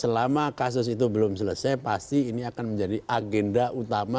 selama kasus itu belum selesai pasti ini akan menjadi agenda utama